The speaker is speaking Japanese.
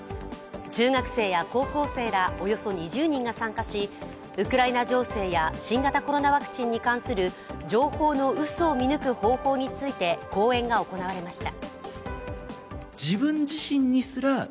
中学生や高校生らおよそ２０人が参加しウクライナ情勢や新型コロナワクチンに関する情報のうそを見抜く方法について講演が行われました。